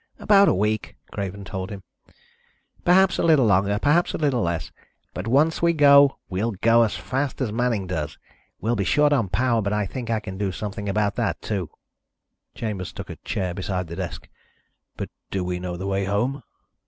"About a week," Craven told him. "Perhaps a little longer, perhaps a little less. But once we go, we'll go as fast as Manning does. We'll be short on power, but I think I can do something about that, too." Chambers took a chair beside the desk. "But do we know the way home?"